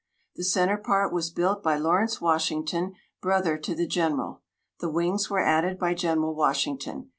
The centre part was built by Lawrence Washington, brother to the General. The wings were added by General Washington.